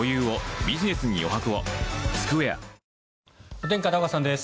お天気、片岡さんです。